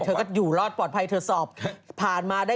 เธอก็อยู่รอดปลอดภัยเธอสอบผ่านมาได้